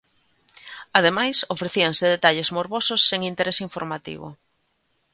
Ademais, ofrecíanse detalles morbosos sen interese informativo.